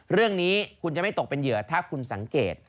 เรื่องนี้คุณจะไม่ตกเป็นเหยื่อถ้าคุณสังเกต